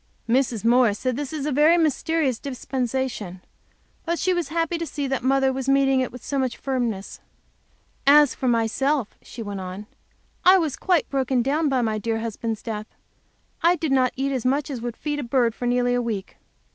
Mrs. Morris said this was a very mysterious dispensation. But that she was happy to see that Mother was meeting it with so much firmness. "As for myself," she went on, "I was quite broken down by my dear husband's death. I did not eat as much as would feed a bird, for nearly a week.